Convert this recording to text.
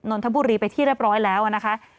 นทบุรีไปที่เรียบร้อยแล้วนะคะ